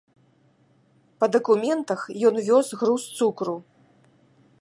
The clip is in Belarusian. Па дакументах ён вёз груз цукру.